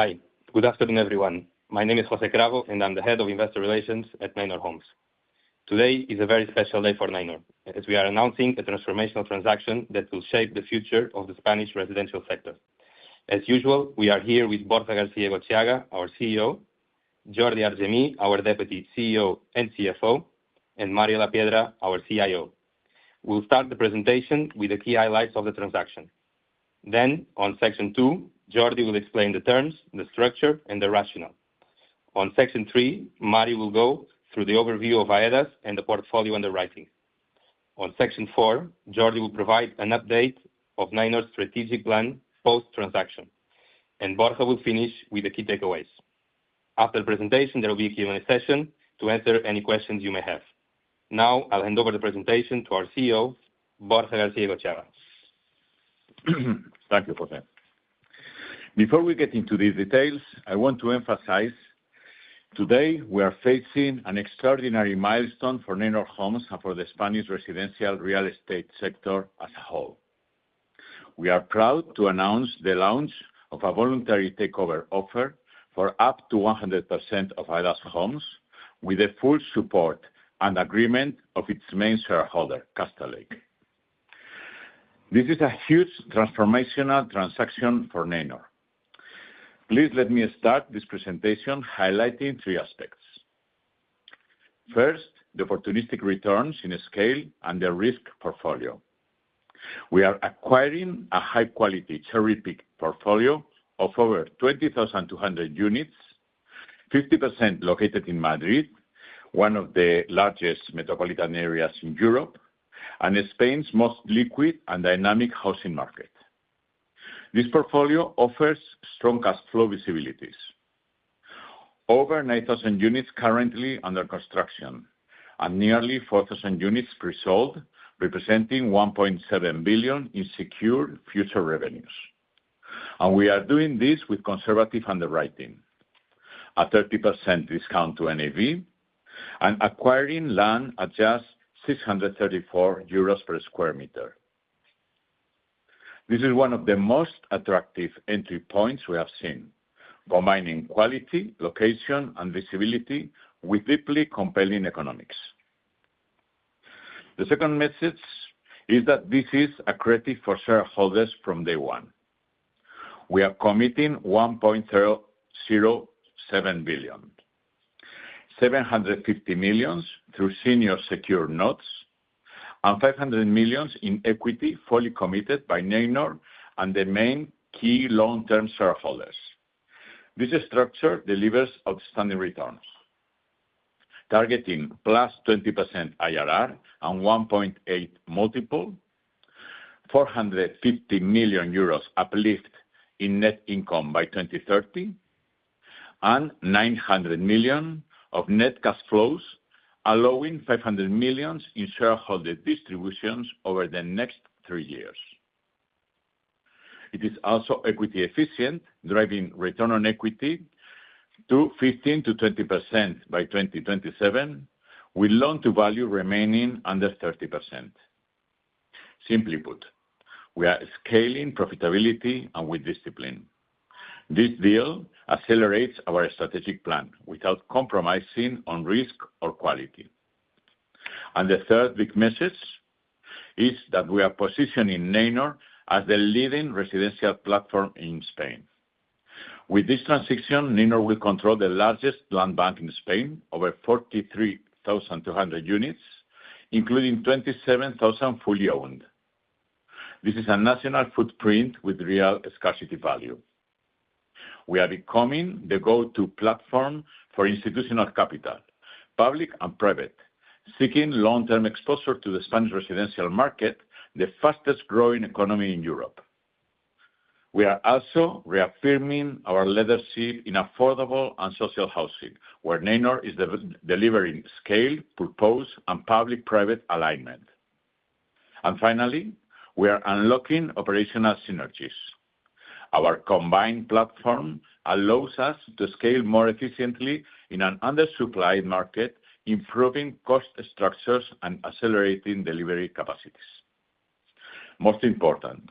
Hi. Good afternoon, everyone. My name is José Cabaño and I'm the Head of Investor Relations at Neinor Homes. Today is a very special day for Neinor as we are announcing a transformational transaction that will shape the future of the Spanish residential sector. As usual, we are here with Borja García, our CEO, Jordi Argemí, our Deputy CEO and CFO, and Mario Lapiedra, our CIO. We'll start the presentation with the key highlights of the transaction. Then, on section two, Jordi will explain the terms, the structure, and the rationale. On section three, Mario will go through the overview of Aedas and the portfolio underwriting. On section four, Jordi will provide an update of Neinor's strategic plan post transaction and Borja will finish with the key takeaways. After the presentation, there will be a Q&A session to answer any questions you may have. Now I'll hand over the presentation to our CEO Borja García. Thank you, José. Before we get into these details, I want to emphasize today we are facing an extraordinary milestone for Neinor Homes for the Spanish residential real estate sector as a whole. We are proud to announce the launch of a voluntary takeover offer for up to 100% of AEDAS Homes, with the full support and agreement of its main shareholder Castlelake. This is a huge transformational transaction for Neinor. Please let me start this presentation highlighting three aspects. First, the opportunistic returns in scale and the risk portfolio. We are acquiring a high quality theoretic portfolio of over 20,200 units, 50% located in Madrid, one of the largest metropolitan areas in Europe and Spain's most liquid and dynamic housing market. This portfolio offers strong cash flow visibilities. Over 9,000 units currently under construction and nearly 4,000 units presold, representing 1.7 billion in secured future revenues. We are doing this with conservative underwriting, a 30% discount to NAV and acquiring land at just 634 euros per sq m. This is one of the most attractive entry points we have seen, combining quality, location, and visibility with deeply compelling economics. The second message is that this is accretive for shareholders. From day one we are committing 1.07 billion, 750 million through senior secured notes and 500 million in equity fully committed by Neinor and the main key long-term shareholders. This structure delivers outstanding returns, targeting +20% IRR and 1.8 multiple, 450 million euros uplift in net income by 2030 and 900 million of net cash flows, allowing 500 million in shareholder distributions over the next three years. It is also equity efficient, driving return on equity to 15%-20% by 2027, with loan to value remaining under 30%. Simply put, we are scaling profitability and with discipline. This deal accelerates our strategic plan without compromising on risk or quality. The third big message is that we are positioning Neinor as the leading residential platform in Spain. With this transaction, Neinor will control the largest land bank in Spain, over 43,000 units including 27,000 fully owned. This is a national footprint with real scarcity value. We are becoming the go-to platform for institutional capital, public and private, seeking long-term exposure to the Spanish residential market, the fastest growing economy in Europe. We are also reaffirming our leadership in affordable and social housing where Neinor is delivering scale, purpose, and public private alignment. Finally, we are unlocking operational synergies. Our combined platform allows us to scale more efficiently in an undersupplied market, improving cost structures and accelerating delivery capacities. Most important,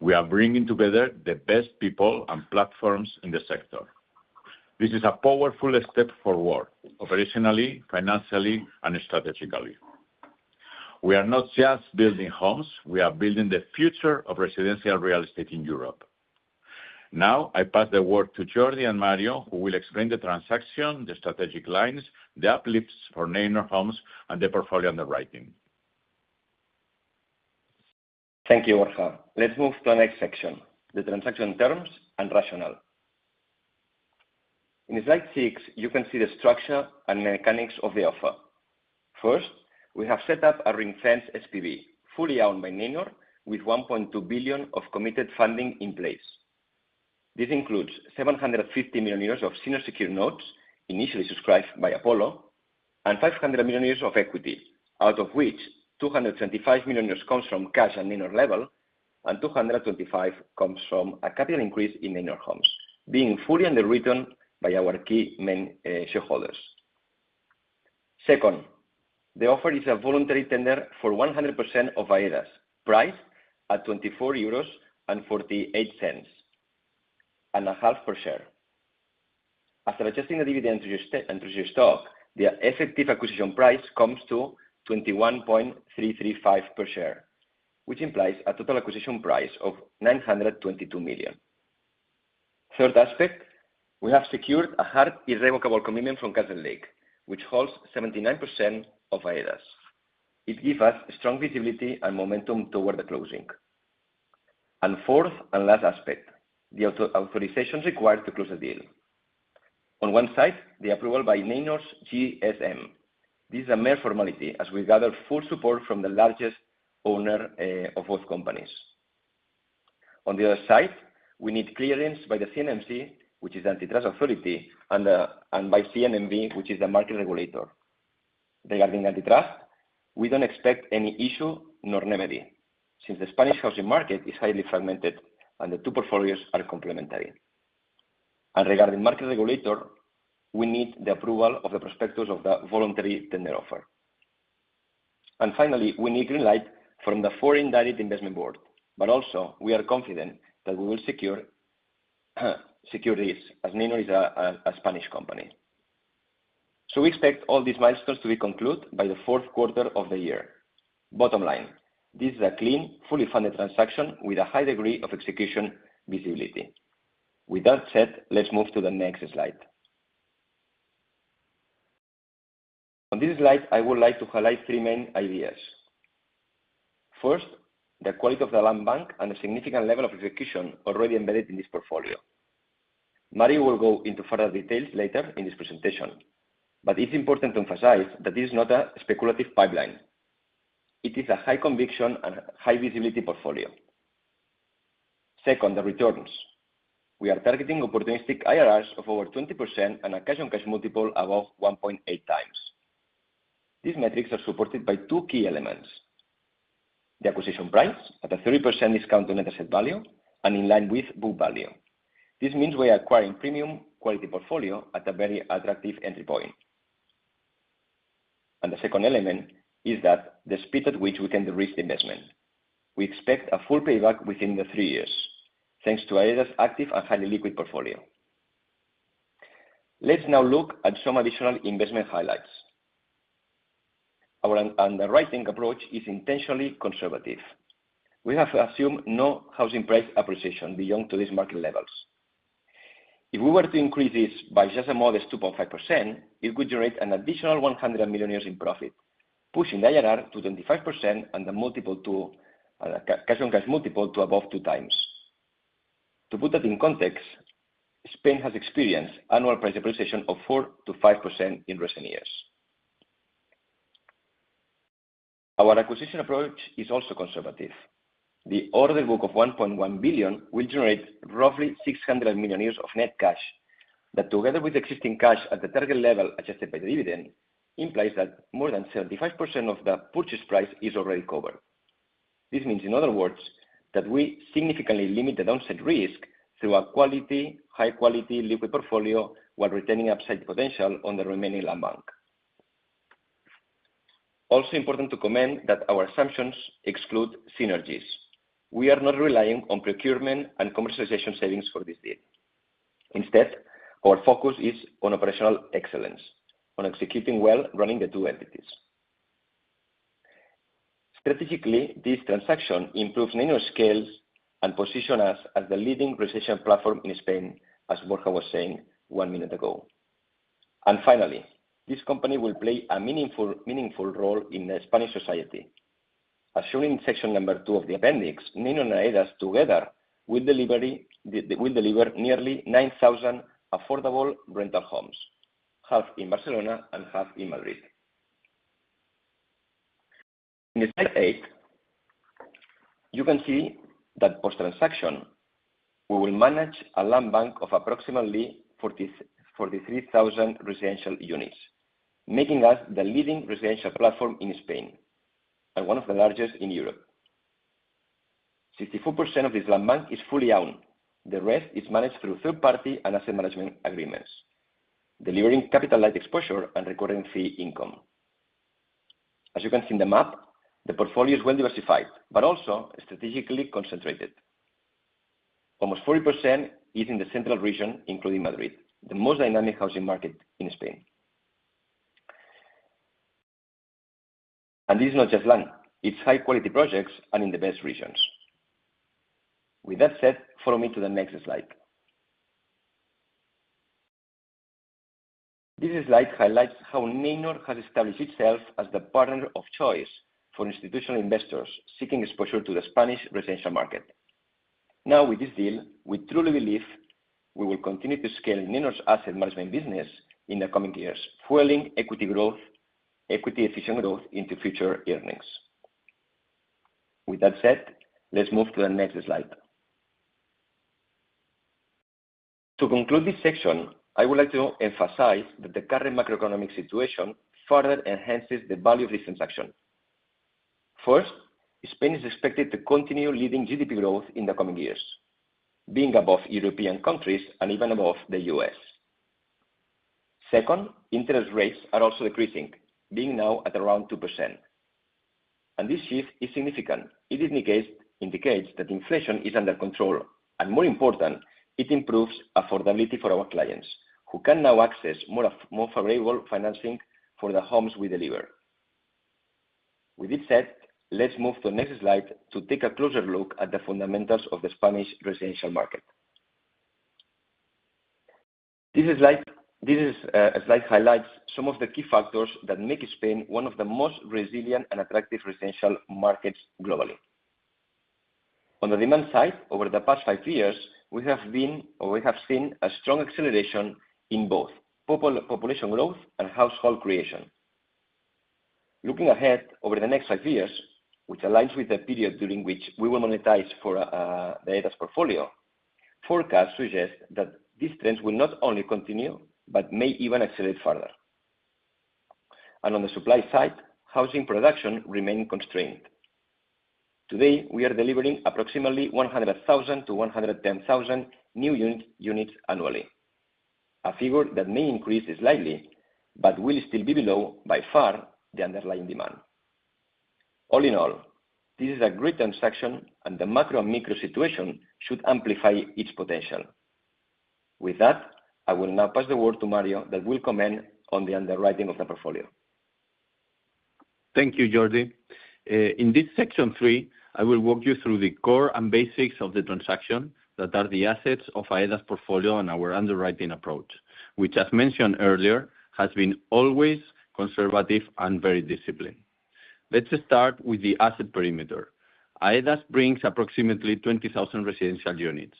we are bringing together the best people and platforms in the sector. This is a powerful step forward, operationally, financially and strategically. We are not just building homes, we are building the future of residential real estate in Europe. Now I pass the word to Jordi and Mario who will explain the transaction, the strategic lines, the uplifts for Neinor Homes and the portfolio underwriting. Thank you, Borja. Let's move to the next section, the transaction terms and rationale. In slide 6 you can see the structure and mechanics of the offer. First, we have set up a ring fence SPV, fully owned by Neinor, with 1.2 billion of committed funding in place. This includes 750 million euros of senior secured notes initially subscribed by Apollo, and 500 million euros of equity, out of which 225 million euros comes from cash at Neinor level and 225 million comes from a capital increase in Aedas Homes being fully underwritten by our key shareholders. Second, the offer is a voluntary tender for 100% of Aedas, priced at EUR 24.485 per share. After adjusting the dividend to your stock, the effective acquisition price comes to 21.335 per share, which implies a total acquisition price of 922 million. Third aspect, we have secured a hard irrevocable commitment from Castlelake, which holds 79% of Aedas. It gives us strong visibility and momentum toward the closing. Fourth and last aspect, the authorization required to close the deal. On one side, the approval by Neinor's GSM. This is a mere formality as we gather full support from the largest owner of both companies. On the other side, we need clearance by the CNMC, which is the antitrust authority, and by CNMV, which is the market regulator. Regarding antitrust, we do not expect any issue nor remedy since the Spanish housing market is highly fragmented and the two portfolios are complementary. Regarding market regulator, we need the approval of the prospectus of the voluntary tender offer. Finally, we need green light from the Foreign Direct Investment Board. But also we are confident that we will secure this as Neinor is a Spanish company. We expect all these milestones to be concluded by the fourth quarter of the year. Bottom line, this is a clean, fully funded transaction with a high degree of execution visibility. With that said, let's move to the next slide. On this slide, I would like to highlight three main ideas. First, the quality of the land bank and the significant level of execution already embedded in this portfolio. Mario will go into further details later in this presentation, but it's important to emphasize that this is not a speculative pipeline. It is a high conviction and high visibility portfolio. Second, the returns. We are targeting opportunistic IRRs of over 20% and a cash on cash multiple above 1.8x. These metrics are supported by two key elements. The acquisition price at a 30% discount on net asset value and in line with book value. This means we are acquiring premium quality portfolio at a very attractive entry point. The second element is that the speed at which we can de-risk the investment. We expect a full payback within three years thanks to Aedas' active and highly liquid portfolio. Let's now look at some additional investment highlights. Our underwriting approach is intentionally conservative. We have assumed no housing price appreciation beyond today's market levels. If we were to increase this by just a modest 2.5%, it would generate an additional 100 million in profit, pushing the IRR to 25% and the cash on cash multiple to above 2x. To put that in context, Spain has experienced annual price appreciation of 4-5% in recent years. Our acquisition approach is also conservative. The order book of 1.1 billion will generate roughly 600 million of net cash. That, together with existing cash at the target level adjusted by the dividend, implies that more than 75% of the purchase price is already covered. This means, in other words, that we significantly limit the downside risk through a quality, high quality liquid portfolio while retaining upside potential on the remaining land bank. Also important to comment that our assumptions exclude synergies. We are not relying on procurement and commercialization savings for this deed. Instead, our focus is on operational excellence, on executing well running the two entities strategically, this transaction improves Neinor's scale and positions us as the leading residential platform in Spain. As Borja was saying one minute ago. Finally, this company will play a meaningful role in Spanish society. As shown in section number two of the appendix, Neinor and AEDAS together will deliver nearly 9,000 affordable rental homes, half in Barcelona and half in Madrid. In slide 8 you can see that post transaction we will manage a land bank of approximately 43,000 residential units, making us the leading residential platform in Spain and one of the largest in Europe. 64% of the land bank is fully owned. The rest is managed through third party and asset management agreements, delivering capital light exposure and recurring fee income. As you can see in the map, the portfolio is well diversified but also strategically concentrated. Almost 40% is in the central region, including Madrid, the most dynamic housing market in Spain. This is not just land, it is high quality projects and in the best regions. With that said, follow me to the next slide. This slide highlights how Neinor has established itself as the partner of choice for institutional investors seeking exposure to the Spanish residential market. Now, with this deal, we truly believe that we will continue to scale Neinor's asset management business in the coming years, fueling equity growth, equity efficient growth into future earnings. With that said, let's move to the next slide. To conclude this section, I would like to emphasize that the current macroeconomic situation further enhances the value of this transaction. First, Spain is expected to continue leading GDP growth in the coming years, being above European countries and even above the U.S. Second, interest rates are also decreasing, being now at around 2%. This shift is significant. It indicates that inflation is under control and, more important, it improves affordability for our clients who can now access more favorable financing for the homes we deliver. With this set, let's move to the next slide to take a closer look at the fundamentals of the Spanish residential market. This slide highlights some of the key factors that make Spain one of the most resilient and attractive residential markets globally. On the demand side, over the past five years we have seen a strong acceleration in both population growth and household creation looking ahead over the next five years, which aligns with the period during which we will monetize for the Aedas portfolio. Forecasts suggest that these trends will not only continue, but may even accelerate further. On the supply side, housing production remains constrained. Today we are delivering approximately 100,000-110,000 new units annually, a figure that may increase slightly, but will still be below by far the underlying demand. All in all, this is a great transaction and the macro and micro situation should amplify its potential. With that, I will now pass the word to Mario that will comment on the underwriting of the portfolio. Thank you Jordi. In this section 3 I will walk you through the core and basics of the transaction that are the assets of Aedas portfolio and our underwriting approach which as mentioned earlier has been always conservative and very disciplined. Let's start with the asset perimeter. Aedas brings approximately 20,000 residential units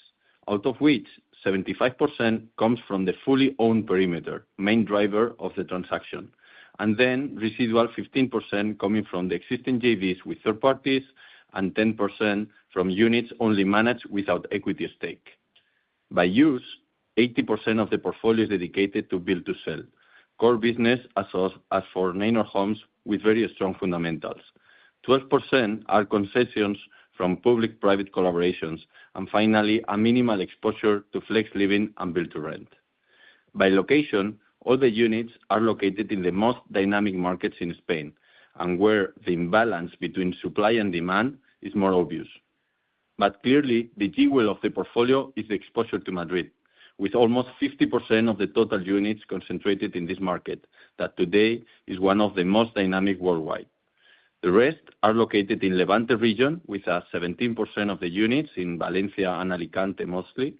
out of which 75% comes from the fully owned perimeter main driver of the transaction and then residual 15% coming from the existing JVs with third parties and 10% from units only managed without equity stake by us. 80% of the portfolio is dedicated to build to sell core business. As for Neinor Homes with very strong fundamentals, 12% are concessions from public private collaborations and finally a minimal exposure to Flex Living and build to rent by location. All the units are located in the most dynamic markets in Spain and where the imbalance between supply and demand is more obvious. Clearly, the GDV well of the portfolio is the exposure to Madrid, with almost 50% of the total units concentrated in this market that today is one of the most dynamic worldwide. The rest are located in the Levante region with 17% of the units in Valencia and Alicante, mostly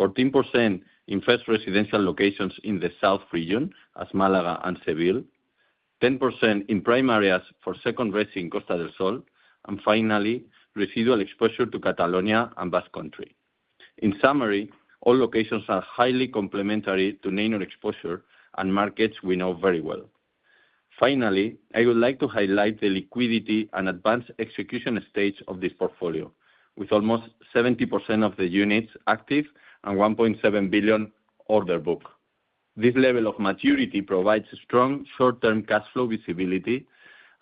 14% in first residential locations in the south region as Málaga and Seville, 10% in primaries for second res in Costa del Sol, and finally residual exposure to Catalonia and Basque Country. In summary, all locations are highly complementary to Neinor exposure and markets we know very well. Finally, I would like to highlight the liquidity and advanced execution stage of this portfolio with almost 70% of the units active and 1.7 billion active order book. This level of maturity provides strong short term cash flow visibility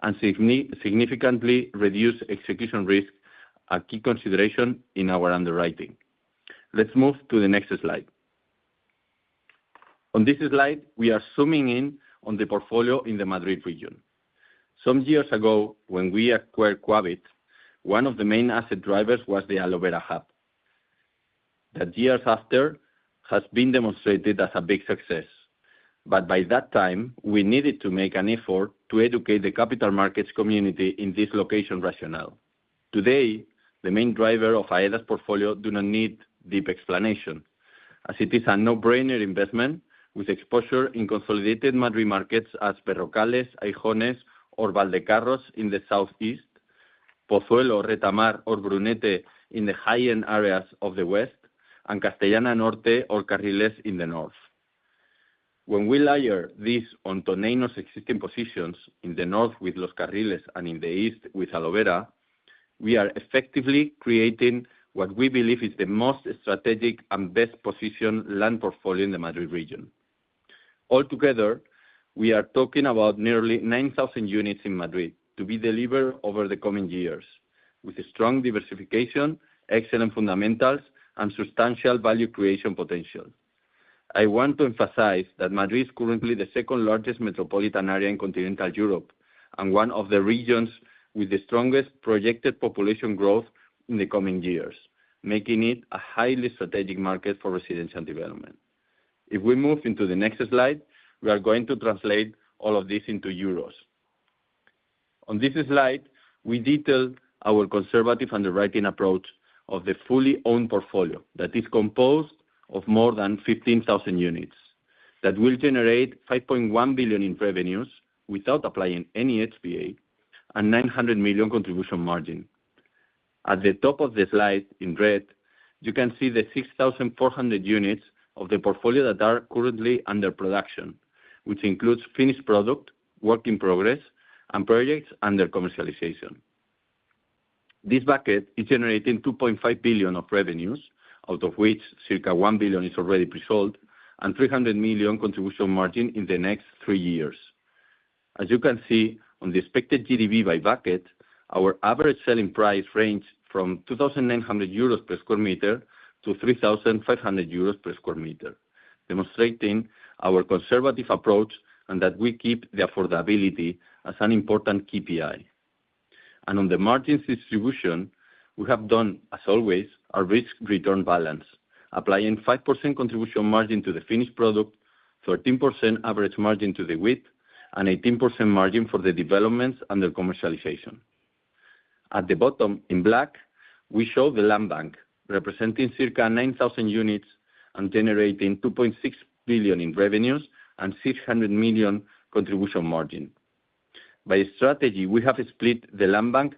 and significantly reduces execution risk, a key consideration in our underwriting. Let's move to the next slide. On this slide we are zooming in on the portfolio in the Madrid region. Some years ago when we acquired Quabit, one of the main asset drivers was the Aloe Vera hub. The driver has been demonstrated as a big success, but by that time we needed to make an effort to educate the capital markets community in this location. Today the main driver of Aedas Homes' portfolio does not need deep explanation as it is a no brainer investment with exposure in consolidated Madrid markets such as Perrocales, Agones or Valdecarros in the southeast, Pozuelo, Retamar or Grunete in the high end areas of the west, and Castellana Norte or Cariles in the north. When we layer this on to Neinor's existing positions in the north with Los Carriles and in the east with Aloe Vera, we are effectively creating what we believe is the most strategic and best positioned land portfolio in the Madrid region. Altogether, we are talking about nearly 9,000 units in Madrid to be delivered over the coming years with strong diversification, excellent fundamentals, and substantial value creation potential. I want to emphasize that Madrid is currently the second largest metropolitan area in continental Europe and one of the regions with the strongest projected population growth in the coming years, making it a highly strategic market for residential development. If we move into the next slide, we are going to translate all of this into euros. On this slide we detail our conservative underwriting approach of the fully owned portfolio that is composed of more than 15,000 units that will generate 5.1 billion in revenues without applying any HPA and 900 million contribution margin. At the top of the slide in red, you can see the 6,400 units of the portfolio that are currently under production, which includes finished product, work in progress and projects under commercialization. This bucket is generating 2.5 billion of revenues out of which circa 1 billion is already presold and 300 million contribution margin in the next three years. As you can see on the expected GDV by bucket, our average selling price ranged from 2,900 euros per sq m to 3,500 euros per sq m, demonstrating our conservative approach and that we keep the affordability as an important KPI. On the margins distribution we have done as always, a risk return balance, applying 5% contribution margin to the finished product, 13% average margin to the wheat, an 18% margin for the developments under commercialization. At the bottom in black, we show the land bank representing circa 9,000 units and generating 2.6 billion in revenues and 600 million contribution margin. By strategy we have split the land bank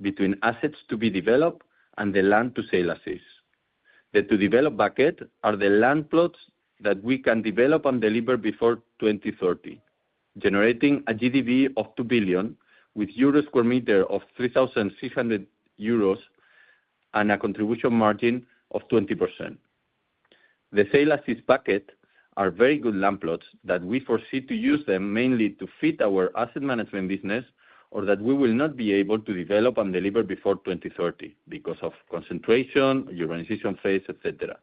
between assets to be developed and the land to sale assets. The two developed buckets are the land plots that we can develop and deliver before 2030, generating a GDV of 2 billion euro with 3,600 euros per sq m and a contribution margin of 20%. The sale assist packets are very good land plots that we foresee to use them mainly to fit our asset management business or that we will not be able to develop and deliver before 2030 because of concentration, urbanization phase, et cetera.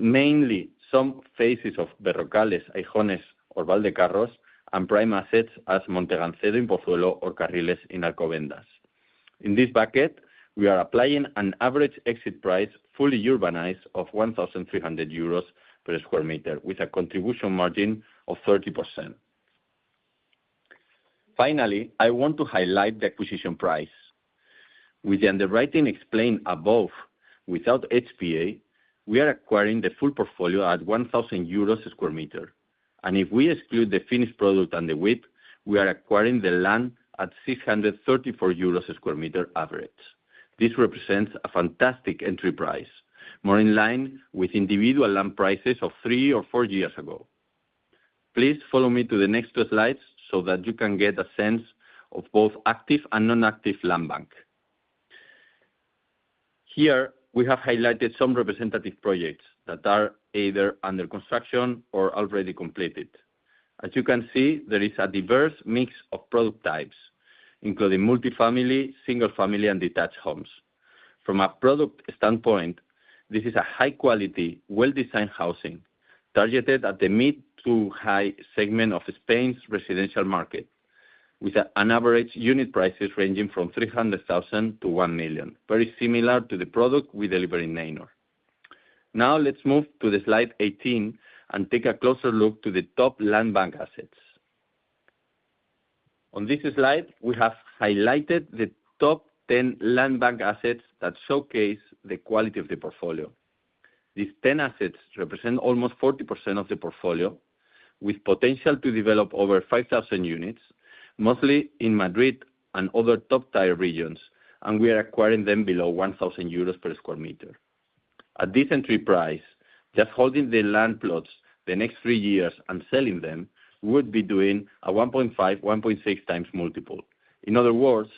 Mainly some phases of Verocales, Agones, or Valdecarros and prime assets as Montegancedo in Pozuelo or Cariles in Alcobendas. In this bucket we are applying an average exit price, fully urbanized, of 1,300 euros per sq m with a contribution margin of 30%. Finally, I want to highlight the acquisition price with the underwriting explained above. Without HPA, we are acquiring the full portfolio at 1,000 euros per sq m and if we exclude the finished product and the width, we are acquiring the land at 634 euros per sq m average. This represents a fantastic entry price, more in line with individual land prices of. Three or four years ago. Please follow me to the next two slides so that you can get a sense of both active and non-active land bank. Here we have highlighted some representative projects that are either under construction or already completed. As you can see, there is a diverse mix of product types including multifamily, single family, and detached homes. From a product standpoint, this is high quality, well-designed housing targeted at the mid to high segments of Spain's residential market with average unit prices ranging from 300,000-1 million, very similar to the product we deliver in Neinor. Now let's move to slide 18 and take a closer look at the top land bank assets. On this slide, we have highlighted the top 10 land bank assets that showcase the quality of the portfolio. These 10 assets represent almost 40% of the portfolio with potential to develop over 5,000 units, mostly in Madrid and other top tier regions, and we are acquiring them below 1,000 euros per square meter at this entry price. Just holding the land plots the next three years and selling them would be doing a 1.5-1.6x multiple. In other words,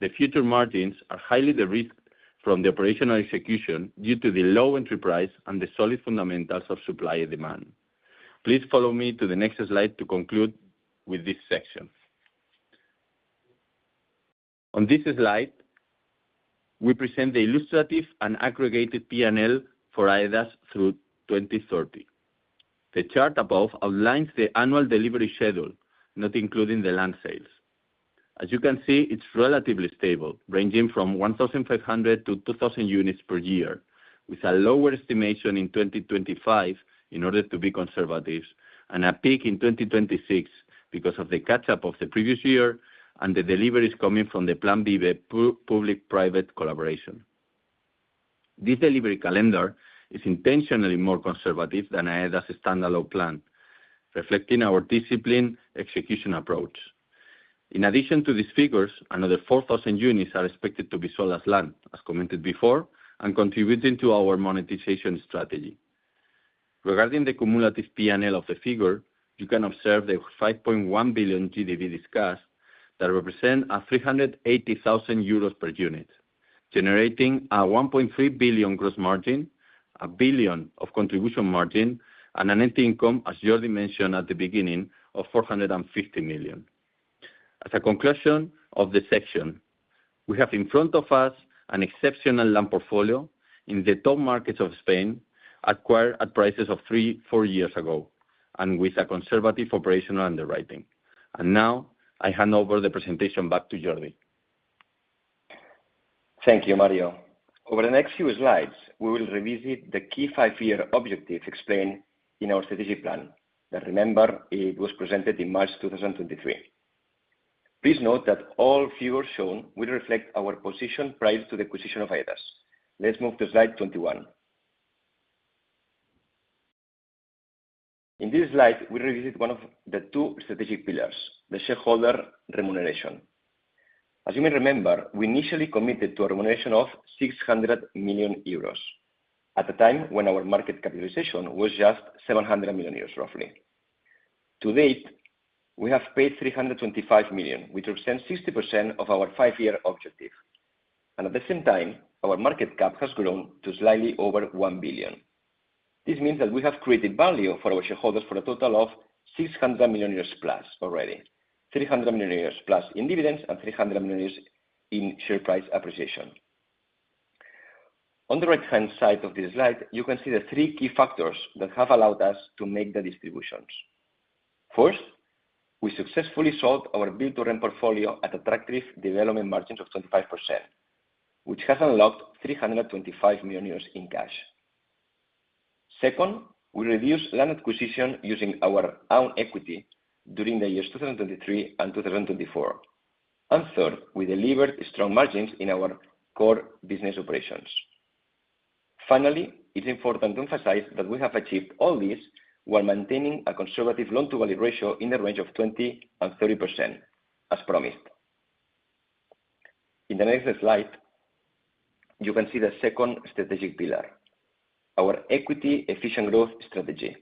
the future margins are highly de-risked from the operational execution due to the low entry price and the solid fundamentals of supply-demand. Please follow me to the next slide to conclude with this section. On this slide we present the illustrative and aggregated P&L for Aedas through 2030. The chart above outlines the annual delivery schedule, not including the land sales. As you can see, it's relatively stable ranging from 1,500-2,000 units per year with a lower estimation in 2025 in order to be conservative and a peak in 2026 because of the catch up of the previous year and the deliveries coming from the Public Private Collaboration. This delivery calendar is intentionally more conservative than Aedas's standalone plan reflecting our disciplined execution approach. In addition to these figures, another 4,000 units are expected to be sold as land as commented before and contributing to our monetization strategy. Regarding the cumulative P&L of the figure, you can observe the 5.1 billion GDV discussed that represent 380,000 euros per unit, generating a 1.3 billion gross margin, 1 billion of contribution margin and an entity income, as Jordi mentioned at the beginning, of 450 million. As a conclusion of the section, we have in front of us an exceptional land portfolio in the top markets of Spain, acquired at prices of three, four years ago and with a conservative operational underwriting. I hand over the presentation back to Jordi. Thank you, Mario. Over the next few slides, we will revisit the key five year objectives explained in our strategic plan. Remember, it was presented in March 2023. Please note that all figures shown will reflect our position prior to the acquisition of Aedas. Let's move to slide 21. In this slide we revisit one of the two strategic pillars, the shareholder remuneration. As you may remember, we initially committed to a remuneration of 600 million euros at a time when our market capitalization was just 700 million euros. Roughly, to date we have paid 325 million, which represents 60% of our five year objective. At the same time our market cap has grown to slightly over 1 billion. This means that we have created value for our shareholders for a total of 600 million + already 300 million+ in dividends and 300 million in share price appreciation. On the right hand side of this slide, you can see the three key factors that have allowed us to make the distributions. First, we successfully sold our build to rent portfolio at attractive development margins of 25%, which has unlocked 325 million euros in cash. Second, we reduced land acquisition using our own equity during the years 2023 and 2024. Third, we delivered strong margins in our core business operations. Finally, it is important to emphasize that we have achieved all this while maintaining a conservative loan to value ratio in the range of 20-30% as promised. In the next slide you can see the second strategic, our equity efficient growth strategy.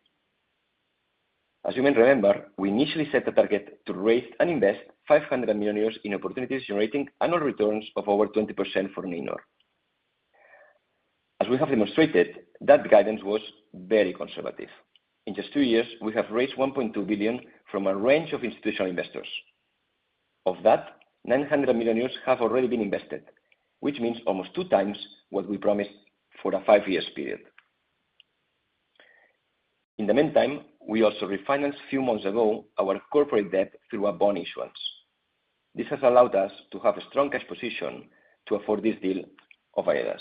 As you may remember, we initially set a target to raise and invest 500 million euros in opportunities, generating annual returns of over 20% for Neinor. As we have demonstrated, that guidance was very conservative. In just two years, we have raised 1.2 billion from a range of institutional investors. Of that, 900 million euros have already been invested, which means almost two times what we promised for a five years period. In the meantime, we also refinanced few months ago our corporate debt through a bond issuance. This has allowed us to have a strong cash position to afford this deal of AEDAS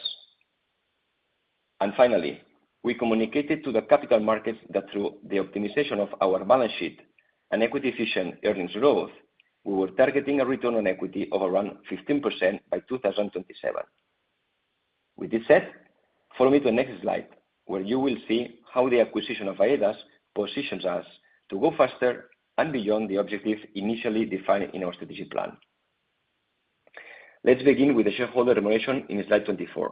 Homes. Finally, we communicated to the capital markets that through the optimization of our balance sheet and equity efficient earnings growth, we were targeting a return on equity of around 15% by 2027. With this said, follow me to the next slide where you will see how the acquisition of AEDAS positions us to go faster and beyond the objectives initially defined in our strategic plan. Let's begin with the shareholder remuneration in Slide 24.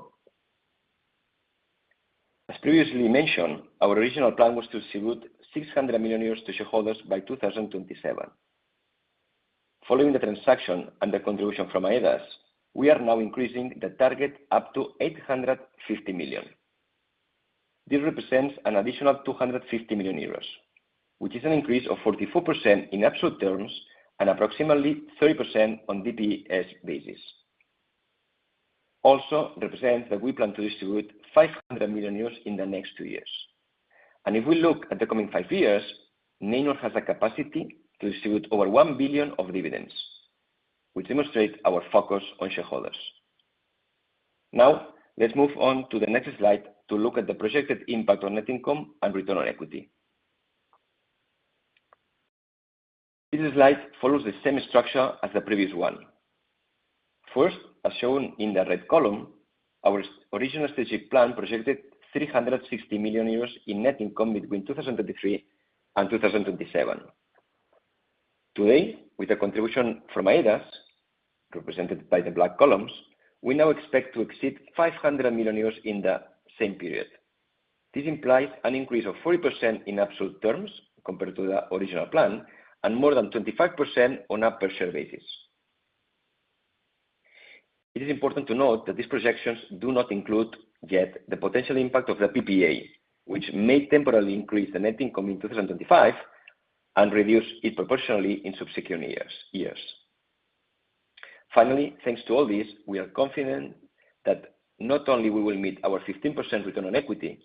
As previously mentioned, our original plan was to distribute 600 million euros to shareholders by 2027. Following the transaction and the contribution from AEDAS, we are now increasing the target up to 850 million. This represents an additional 250 million euros, which is an increase of 44% in absolute terms and approximately 30% on DPS basis. It also represents that we plan to distribute 500 million euros in the next two years. If we look at the coming five years, Neinor has the capacity to distribute over 1 billion of dividends, which demonstrates our focus on shareholders. Now let's move on to the next slide to look at the projected impact on net income and return on equity. This slide follows the same structure as the previous one. First, as shown in the red column, our original strategic plan projected 360 million euros in net income between 2023 and 2027. Today, with a contribution from Aedas represented by the black columns, we now expect to exceed 500 million euros in the same period. This implies an increase of 40% in absolute terms compared to the original plan and more than 25% on a PER share basis. It is important to note that these projections do not include yet the potential impact of the PPA which may temporarily increase the net income in 2025 and reduce it proportionally in subsequent years. Finally, thanks to all this, we are confident that not only we will meet our 15% return on equity,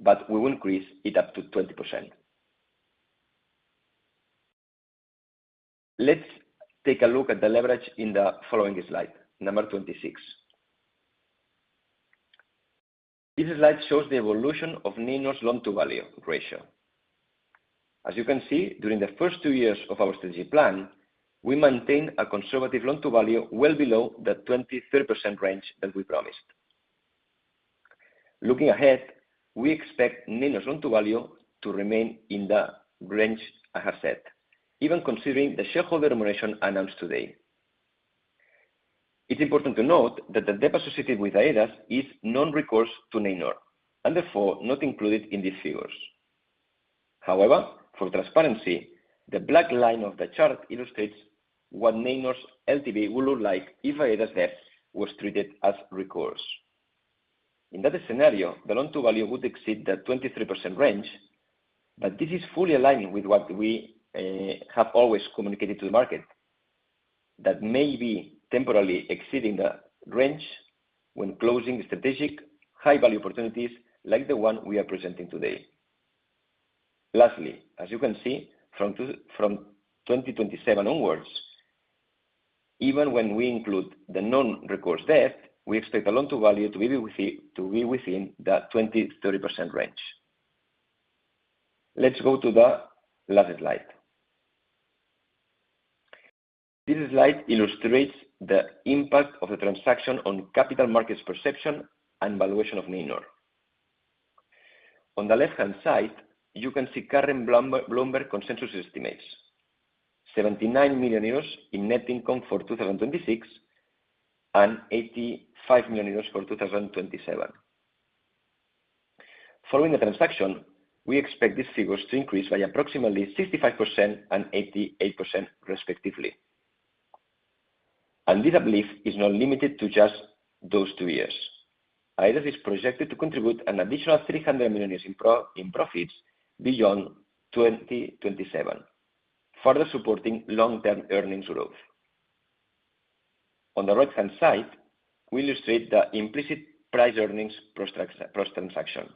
but we will increase it up to 20%. Let's take a look at the leverage in the following slide number 26. This slide shows the evolution of Neinor's loan to value ratio. As you can see, during the first two years of our strategy plan, we maintain a conservative loan to value well below the 20-30% range that we promised. Looking ahead, we expect Neinor's loan to value to remain in the range I have set. Even considering the shareholder remuneration announced today, it's important to note that the debt associated with Aedas is non-recourse to Neinor and therefore not included in these figures. However, for transparency, the black line of the chart illustrates what Neinor's LTV would look like if Aedas was treated as recourse. In that scenario, the loan to value would exceed the 23% range. This is fully aligned with what we have always communicated to the market. That may be temporarily exceeding the range when closing strategic high value opportunities like the one we are presenting today. Lastly, as you can see, from 2027 onwards, even when we include the non recourse debt, we expect a loan to value to be within that 20-30% range. Let's go to the last slide. This slide illustrates the impact of the transaction on capital markets perception and valuation of Neinor. On the left hand side you can see current Bloomberg consensus estimates. 79 million euros in net income for 2026 and 85 million euros for 2027. Following the transaction, we expect these figures to increase by approximately 65% and 88% respectively. This I believe is not limited to just those two years. Aedas is projected to contribute an additional 300 million in profits beyond 2027, further supporting long term earnings growth. On the right hand side we illustrate the implicit price earnings price transaction.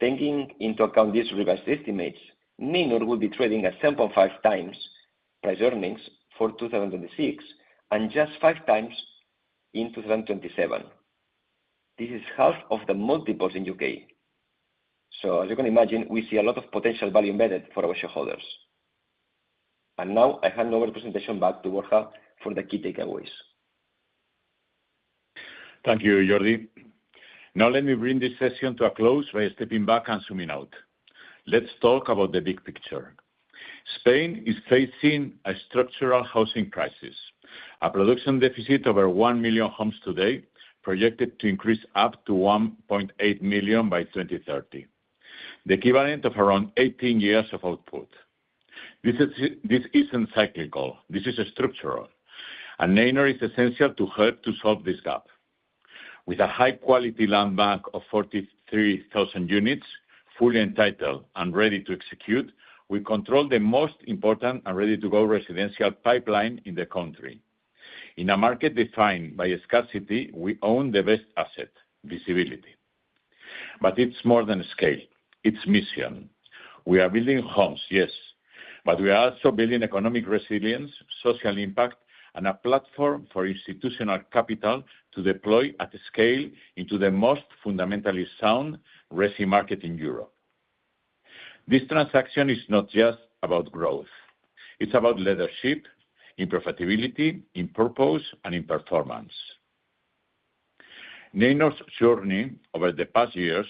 Taking into account these revised estimates, Neinor will be trading at 7.5 times price earnings for 2026 and just 5 times in 2027. This is half of the multiples in the U.K. As you can imagine, we see a lot of potential value embedded for our shareholders. I hand over the presentation back to Borja for the key takeaways. Thank you, Jordi. Now let me bring this session to a close by stepping back and zooming out. Let's talk about the big picture. Spain is facing a structural housing crisis. A production deficit over 1 million homes today from projected to increase up to 1.8 million by 2030. The equivalent of around 18 years of output. This is not cyclical, this is structural. Neinor is essential to help to solve this gap. With a high quality land bank of 43,000 units, fully entitled and ready to execute, we control the most important and ready to go residential pipeline in the country. In a market defined by scarcity, we own the best asset visibility. It is more than scale. It is mission. We are building homes, yes, but we are also building economic resilience, social impact, and a platform for institutional capital to deploy at scale into the most fundamentally sound resi market in Europe. This transaction is not just about growth, it's about leadership in profitability, in purpose, and in performance. Neinor's journey over the past years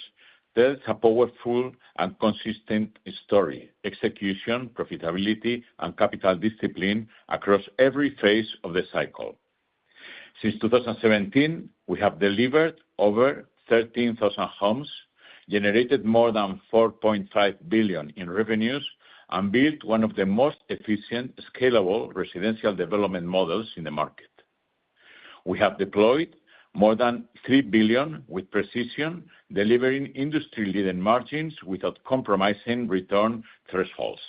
tells a powerful and consistent story: execution, profitability, and capital discipline across every phase of the cycle. Since 2017, we have delivered over 13,000 homes, generated more than 4.5 billion in revenues, and built one of the most efficient, scalable residential development models in the market. We have deployed more than 3 billion with precision, delivering industry-leading margins without compromising return thresholds.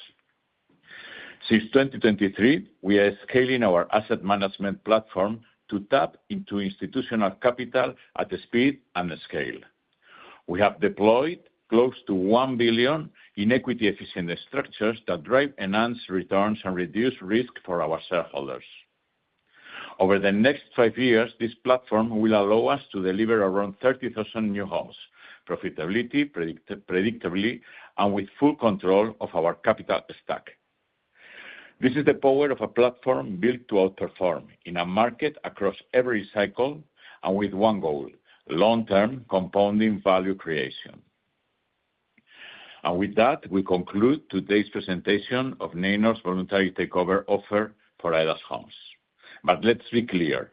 Since 2023, we are scaling our asset management platform to tap into institutional capital at speed and scale. We have deployed close to 1 billion in equity efficient structures that drive enhanced returns and reduce risk for our shareholders. Over the next five years, this platform will allow us to deliver around 30,000 new homes. Profitability, predictably and with full control of our capital stack. This is the power of a platform built to outperform in a market across every cycle and with one goal, long term compounding value creation. With that, we conclude today's presentation of Neinor's voluntary takeover offer for AEDAS Homes. Let's be clear.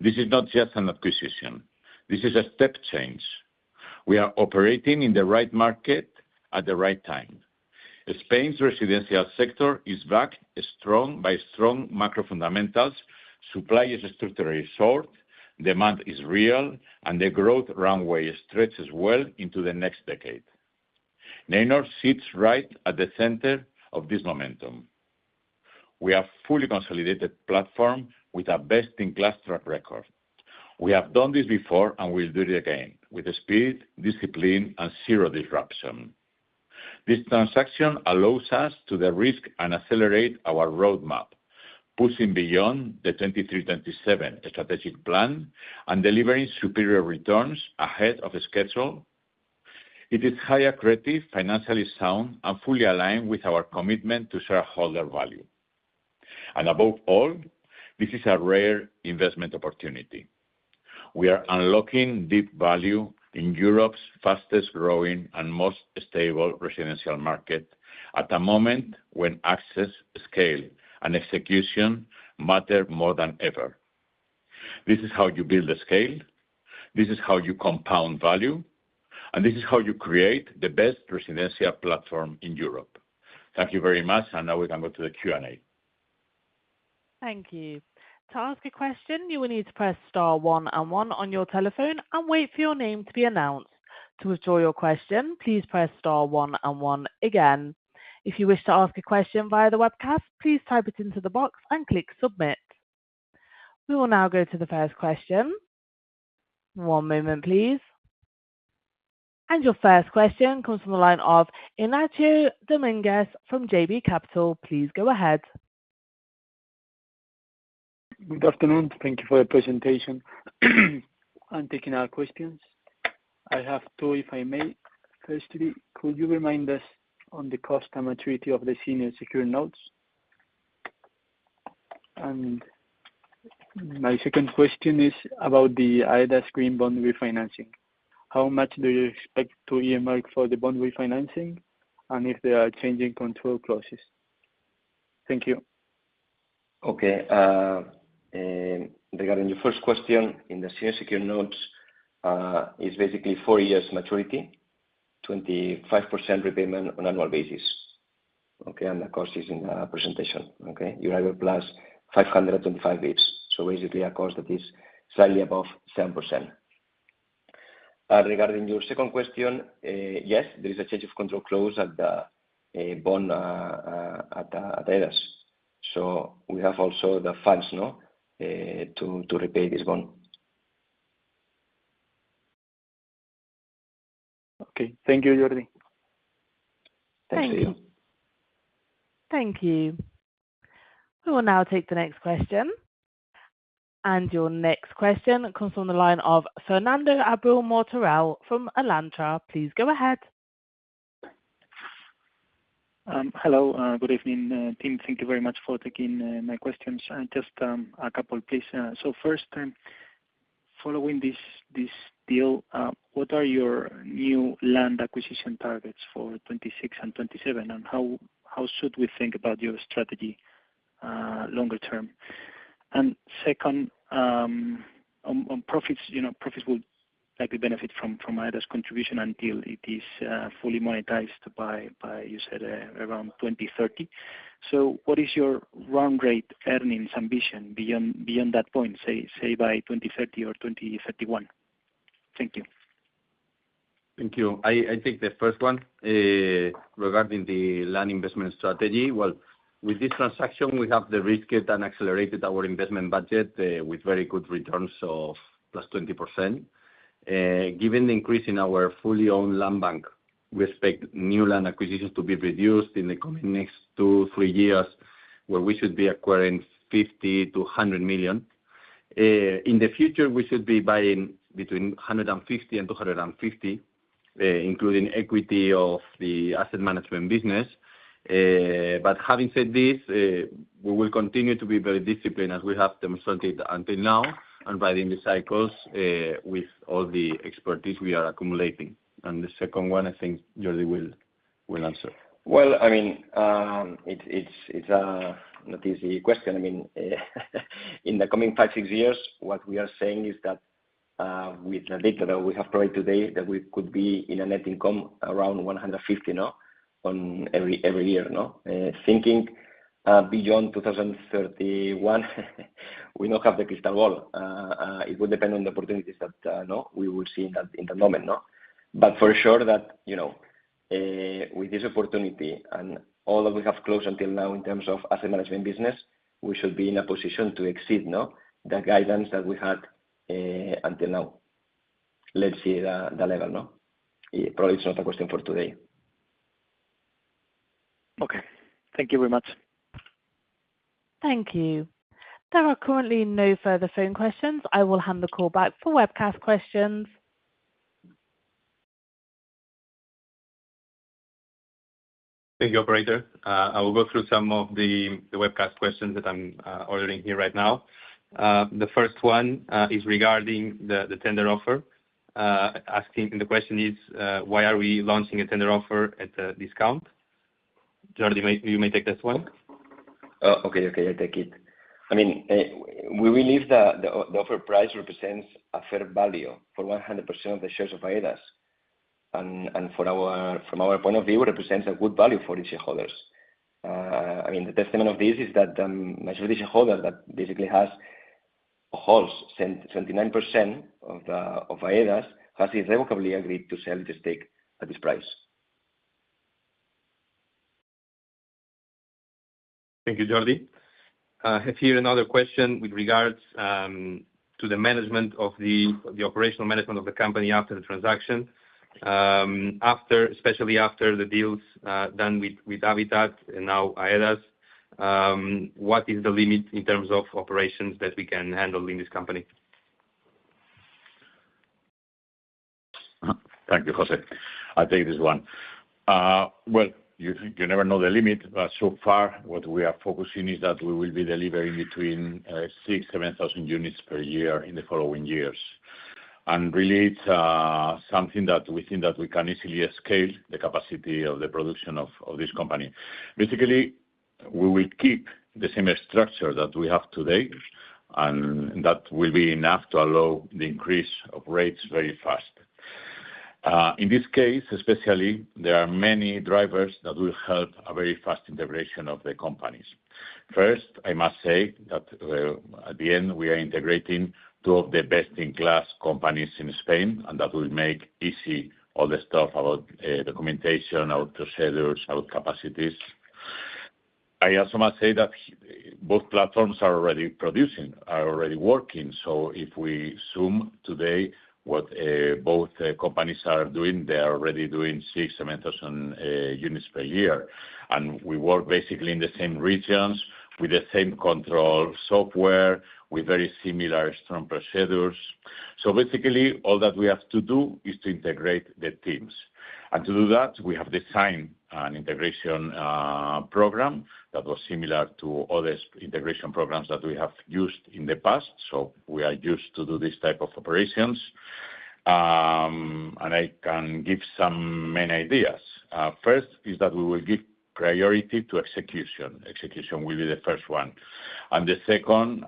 This is not just an acquisition. This is a step change. We are operating in the right market at the right time. Spain's residential sector is backed by strong macro fundamentals. Supply is structurally short, demand is real and the growth runway stretches well into the next decade. Neinor sits right at the center of this momentum. We have fully consolidated platform with a best in class track record. We have done this before and will do it again with speed, discipline, and zero disruption. This transaction allows us to de-risk and accelerate our roadmap, pushing beyond the 2027 strategic plan and delivering superior returns ahead of schedule. It is high, accretive, financially sound, and fully aligned with our commitment to shareholder value. Above all, this is a rare investment opportunity. We are unlocking deep value in Europe's fastest growing and most stable residential market at a moment when access, scale, and execution matter more than ever. This is how you build scale, this is how you compound value. This is how you create the best residential platform in Europe. Thank you very much. Now we can go to the Q&A. Thank you. To ask a question, you will need to press star one and one on your telephone and wait for your name to be announced. To withdraw your question, please press star one and one again. If you wish to ask a question via the webcast, please type it into the box and click Submit. We will now go to the first question. One moment please. Your first question comes from the line of Ignacio Domínguez from JB Capital. Please go ahead. Good afternoon. Thank you for your presentation. I'm taking our questions. I have two if I may. Firstly, could you remind us on the cost and maturity of the senior secured notes? And my second question is about the Aedas green bond refinancing. How much do you expect to earmark for the bond refinancing and if there are change in control clauses. Thank you. Okay, regarding your first question. In the senior secured notes, it is basically four years maturity, 25% repayment on annual basis. Okay. And the cost is in the presentation. Okay. EURIBOR plus 525 basis points. So basically a cost that is slightly above 7%. Regarding your second question. Yes, there is a change of control clause at the bond at Aedas. So we have also the funds now to repay this bond. Okay. Thank you, Jordi. Thank you. Thank you. We will now take the next question. Your next question comes from the line of Fernando Abril-Martorell from Alantra. Please go ahead. Hello. Good evening, Team. Thank you very much for taking my questions. Just a couple please. First, following this deal, what are your new land acquisition targets for 2026 and 2027 and how should we think about your strategy longer term? Second, on profits. You know profits will likely benefit from Aedas's contribution until it is fully monetized by you said around 2030. What is your run rate earnings ambition beyond that point, say by 2030 or 2031? Thank you. Thank you. I think the first one regarding the land investment strategy. With this transaction we have de-risked and accelerated our investment budget with very good returns, so plus 20%. Given the increase in our fully owned land bank, we expect new land acquisitions to be reduced in the coming next two, three years where we should be acquiring 50 million-100 million. In the future we should be buying between 150 million and 250 million, including equity of the asset management business. Having said this, we will continue to be very disciplined as we have demonstrated until now and riding the cycles with all the expertise we are accumulating. The second one I think Jordi will answer. I mean it's not an easy question. I mean in the coming five, six years, what we are saying is that with the data that we have provided today that we could be in a net income around 150 every year. Thinking beyond 2031, we don't have the crystal ball. It will depend on the opportunities that we will see in the moment. For sure that with this opportunity and all that we have closed until now in terms of asset management business, we should be in a position to exceed the guidance that we had until now. Let's see the level. Probably it's not a question for today. Okay, thank you very much. Thank you. There are currently no further phone questions. I will hand the call back for webcast questions. Thank you, operator. I will go through some of the webcast questions that I'm ordering here right now. The first one is regarding the tender offer. Asking the question is why are we launching a tender offer at a discount? Jordi, you may take this one. Okay, okay, I'll take it. I mean, we believe that the offer price represents a fair value for 100% of the shares of Aedas. And from our point of view, it represents a good value for its shareholders. I mean, the testament of this is that holder that basically has holds 79% of Aedas, has irrevocably agreed to sell the stake at this price. Thank you, Jordi. I have here another question with regards to the management of the, the operational management of the company after the transaction, after, especially after the deals done with Avitad and now Aedas. What is the limit in terms of operations that we can handle in this company? Thank you, José. I'll take this one. You never know the limit. What we are focusing on is that we will be delivering between 6,000-7,000 units per year in the following years. It is something that we think we can easily scale, the capacity of the production of this company. Basically, we will keep the same structure that we have today and that will be enough to allow the increase of rates very fast. In this case especially, there are many drivers that will help a very fast integration of the companies. First, I must say that at the end we are integrating two of the best-in-class companies in Spain. That will make easy all the stuff about documentation, our procedures, our capacities. I also must say that both platforms are already producing, are already working. If we zoom today, what both companies are doing, they are already doing six, seven units per year. We work basically in the same regions, with the same control software, with very similar strong procedures. Basically, all that we have to do is to integrate the teams. To do that, we have designed an integration program that was similar to other integration programs that we have used in the past. We are used to do this type of operations. I can give some main ideas. First is that we will give priority to execution. Execution will be the first one. The second,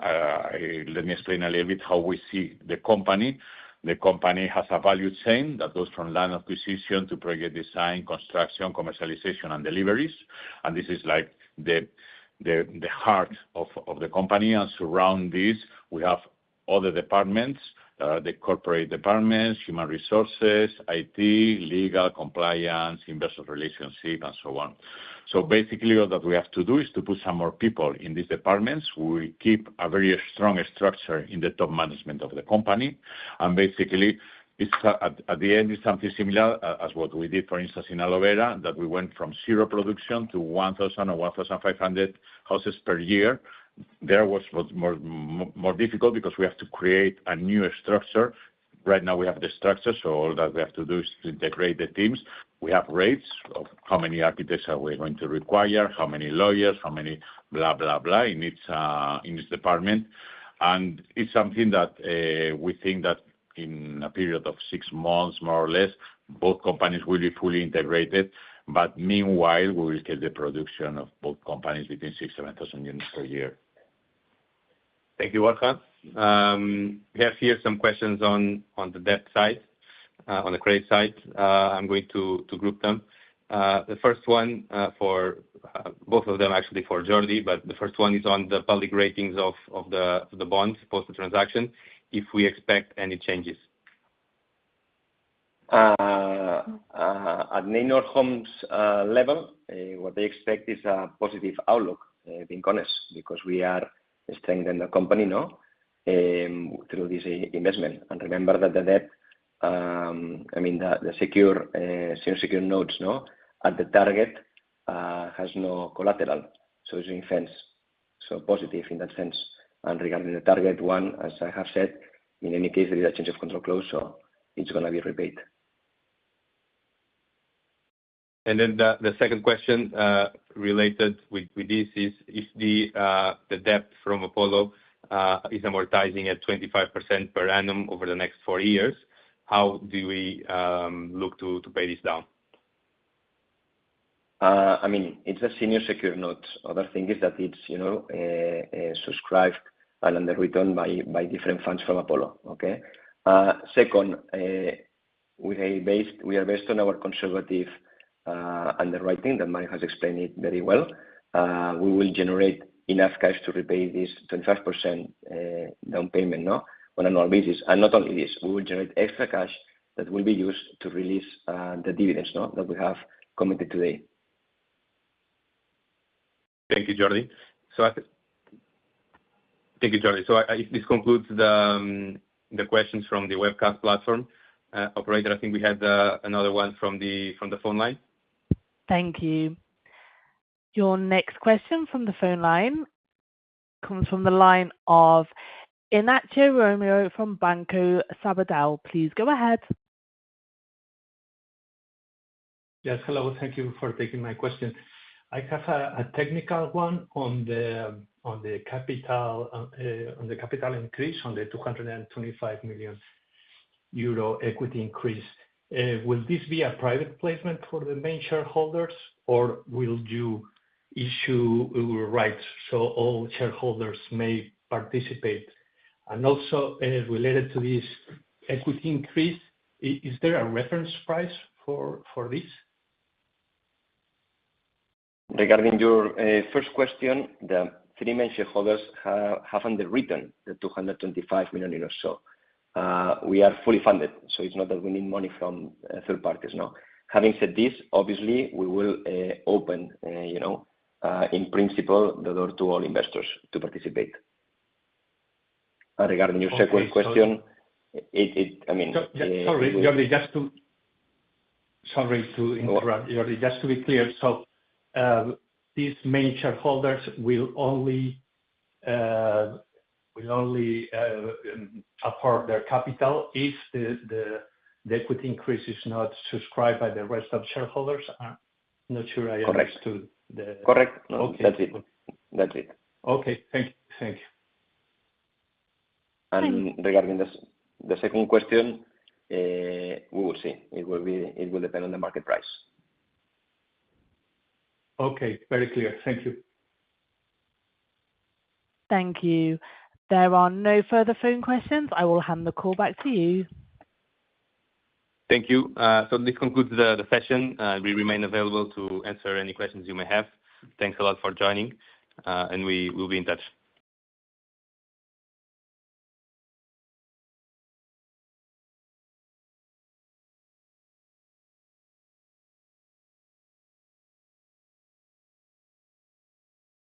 let me explain a little bit how we see the company. The company has a value chain that goes from land acquisition to project design, construction, commercialization, and deliveries. This is like the heart of the company. Surrounding this we have other departments, the corporate departments, human resources, IT, legal compliance, investment relations, and so on. Basically, all that we have to do is to put some more people in these departments. We keep a very strong structure in the top management of the company. Basically, at the end, it's something similar as what we did, for instance, in Aloe Vera, that we went from zero production to 1,000 or 1,500 houses per year. That was more difficult because we had to create a new structure. Right now we have the structure, so all that we have to do is integrate the teams. We have rates of how many architects are we going to require, how many lawyers, how many blah, blah, blah in this department. It is something that we think that in a period of six months, more or less, both companies will be fully integrated. Meanwhile, we will get the production of both companies between 6,000-7,000 units per year. Thank you, Borja. We have here some questions on the debt side. On the credit side. I'm going to group them, the first one for both of them actually for Jordi. The first one is on the public ratings of the bonds post the transaction. If we expect any changes. At Neinor Homes level, what they expect is a positive outlook, being honest, because we are strengthening the company now through this investment. I mean, remember that the debt, I mean the secured notes at the target, has no collateral. It is in fence, so positive in that sense. Regarding the target one, as I have said, in any case there is a change of control clause, so going to be repaid. The second question related with this is if the debt from Apollo is amortizing at 25% per annum over the next four years, how do we look to pay this down? I mean, it's a senior secured note. Other thing is that it's, you know, subscribed and underwritten by different funds from Apollo. Okay. Second, we are based on our conservative underwriting that Mario has explained it very well. We will generate enough cash to repay this 25% down payment on a normal basis. Not only this, we will generate extra cash that will be used to release the dividends that we have committed today. Thank you, Jordi. Thank you, Jordi. This concludes the questions from the webcast platform operator. I think we had another one from the phone line. Thank you. Your next question from the phone line comes from the line of Inigo Romeo from Banco Sabadell. Please, go ahead. Yes, hello. Thank you for taking my question. I have a technical one on the. Capital increase on the 225 million euro equity increase. Will this be a private placement for. The main shareholders or will you issue. Rights so all shareholders may participate and also any related to this equity increase. Is there a reference price for this? Regarding your first question, the three main shareholders have underwritten the 225 million euros. We are fully funded. It is not that we need money from third parties. No. Having said this, obviously we will open, you know, in principle the door to all investors to participate. Regarding your sequence question, I mean. Sorry, Jordi, just to. Sorry to interrupt. Jordi, just to be clear. So these major holders will only. Will only afford their capital if the equity increase is not subscribed by the rest of shareholders. Not sure I understood. Correct. That's it. Okay, thank you. Regarding the second question, we will see. It will depend on the market price. Okay, very clear. Thank you. Thank you. There are no further phone questions. I will hand the call back to you. Thank you. This concludes the session. We remain available to answer any questions you may have. Thanks a lot for joining and we will be in touch.